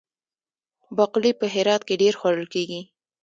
باقلي په هرات کې ډیر خوړل کیږي.